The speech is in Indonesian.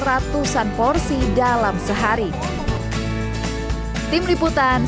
ratusan porsi dalam sehari tim liputan